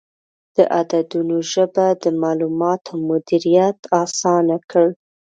د عددونو ژبه د معلوماتو مدیریت اسانه کړ.